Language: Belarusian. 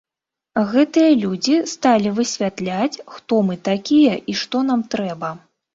Гэтыя людзі сталі высвятляць, хто мы такія і што нам трэба.